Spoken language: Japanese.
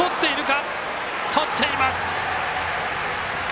とっています！